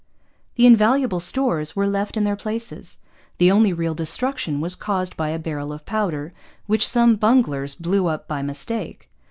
The invaluable stores were left in their places. The only real destruction was caused by a barrel of powder, which some bunglers blew up by mistake.